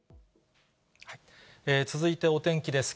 続いてお天気です。